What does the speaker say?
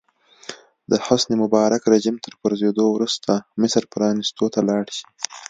د حسن مبارک رژیم تر پرځېدو وروسته مصر پرانیستو ته لاړ شي.